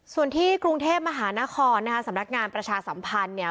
ส่วนที่กรุงเทพมหานครนะคะสำนักงานประชาสัมพันธ์เนี่ย